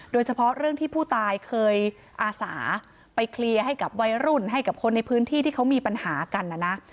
โดยเฉพาะเรื่องที่ผู้ตายเคยอาสาไปเคลียร์ให้กับวัยรุ่นให้กับคนในพื้นที่ที่เขามีปัญหากันนะนะ